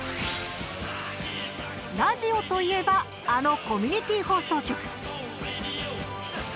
ラジオといえばあのコミュニティー放送局。